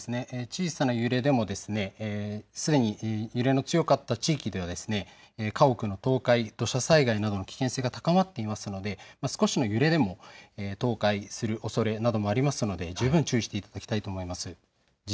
小さな揺れでもすでに揺れの強かった地域では家屋の倒壊、土砂災害などの危険性が高まっていますので少しの揺れでも倒壊するおそれなどもありますので十分注意していただきたいと思います。